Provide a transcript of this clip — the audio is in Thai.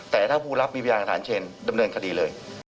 แต่ถ้าผู้รับมีพยานฐานเชนดำเนินคดีเลย